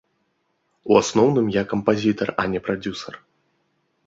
У асноўным я кампазітар, а не прадзюсар.